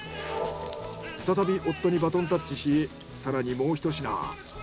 再び夫にバトンタッチし更にもうひと品。